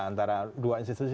antara dua institusi